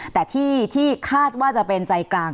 แต่ที่คาดว่าจะเป็นใจกลาง